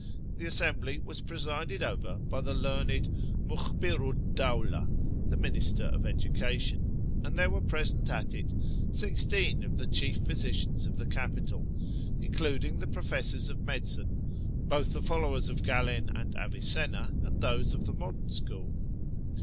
The assembly was presided over by the learned Muklibiru 'd Dawlah, the Minister of Education, and there were present at it sixteen of the chief physicians of the capital, including the professors of medicine (both the followers of Galen and Avicenna, and 7 98 yl YEAR AMONGST THE PERSIANS those el" tlio iDddorn scliool).